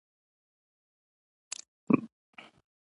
• د عقربو حرکت زړه ته نظم ورکوي.